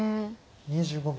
２５秒。